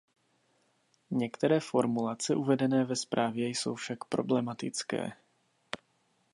Některé formulace uvedené ve zprávě jsou však problematické.